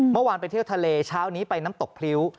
เมื่อวานไปเที่ยวทะเลเช้านี้ไปน้ำตกพริ้ว